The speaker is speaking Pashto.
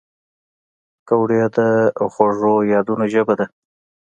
پکورې د خوږو یادونو ژبه ده